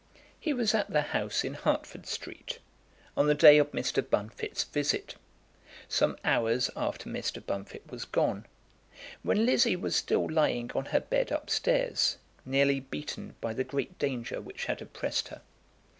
He was at the house in Hertford Street on the day of Mr. Bunfit's visit, some hours after Mr. Bunfit was gone, when Lizzie was still lying on her bed up stairs, nearly beaten by the great danger which had oppressed her.